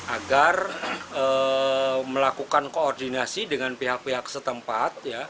agar melakukan koordinasi dengan pihak pihak setempat